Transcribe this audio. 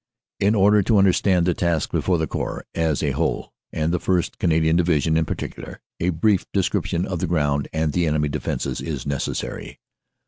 "In order to understand the task before the Corps as a whole, and the 1st. Canadian Division in particular, a brief 11 146 CANADA S HUNDRED DAYS description of the ground and the enemy defenses is necessary.